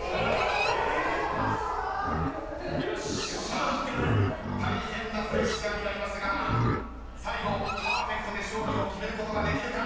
［さあ大変なプレッシャーになりますが最後パーフェクトで勝利を決めることができるか？］